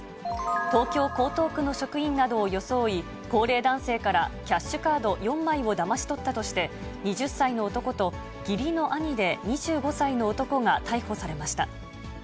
東京・江東区の職員などを装い、高齢男性からキャッシュカード４枚をだまし取ったとして、２０歳の男と義理の兄で２５歳の男が逮捕されました。